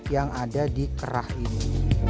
yang ada di kerah ini